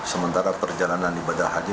sementara perjalanan ibadah haji